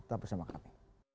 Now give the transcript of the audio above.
tonton bersama kami